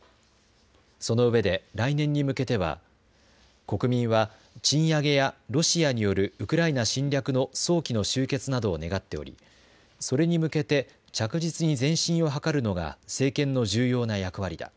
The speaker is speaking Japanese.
その上で来年に向けては国民は賃上げやロシアによるウクライナ侵略の早期の終結などを願っておりそれに向けて着実に前進を図るのが政権の重要な役割だ。